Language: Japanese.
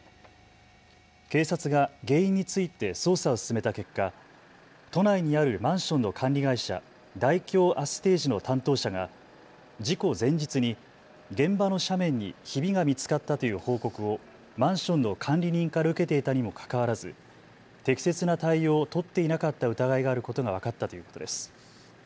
警察が原因について捜査を進めた結果、都内にあるマンションの管理会社、大京アステージの担当者が事故前日に現場の斜面にひびが見つかったという報告をマンションの管理人から受けていたにもかかわらず適切な対応を取っていなかった疑いがあることが分かったということです。